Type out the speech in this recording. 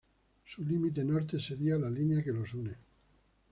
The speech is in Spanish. Su límite norte sería la línea que los une.